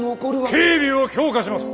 警備を強化します！